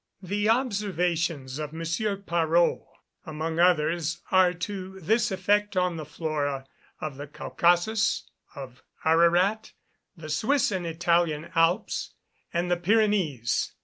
The observations of M. Parrot, among others, are to this effect on the flora of the Caucasus, of Ararat, the Swiss and Italian Alps, and the Pyrenees.